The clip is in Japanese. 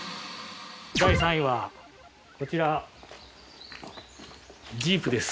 第３位はこちらジープです。